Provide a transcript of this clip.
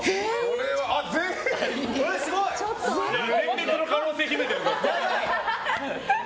全滅の可能性秘めてる。